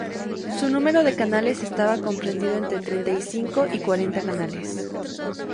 Su número de canales estaba comprendido entre treinta y cinco y cuarenta canales.